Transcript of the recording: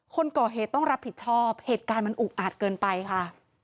คนก่อเหตุต้องรับผิดชอบเหตุการณ์มันอุกอาจเกินไปค่ะ